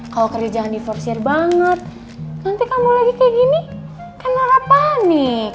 kalau kerjaan di forseer banget nanti kamu lagi kayak gini kan rara panik